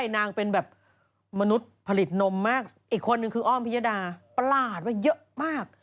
นางเป็นแบบมนุษย์ผลิตนมมากอีกคนนึงคืออ้อมพิยดาประหลาดว่าเยอะมาก